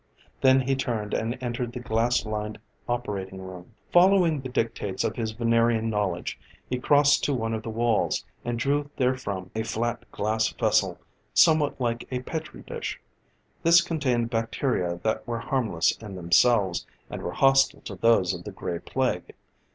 Then he turned and entered the glass lined operating room. Following the dictates of his Venerian knowledge, he crossed to one of the walls, and drew therefrom a flat, glass vessel, somewhat like a petri dish. This contained bacteria that were harmless in themselves, and were hostile to those of the Gray Plague.